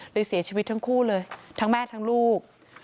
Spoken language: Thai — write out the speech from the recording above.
เสียชีวิตทั้งคู่เลยทั้งแม่ทั้งลูก